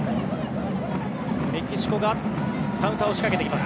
メキシコがカウンターを仕掛けてきます。